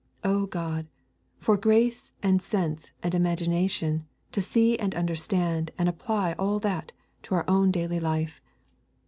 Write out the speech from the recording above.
O God, for grace and sense and imagination to see and understand and apply all that to our own daily life!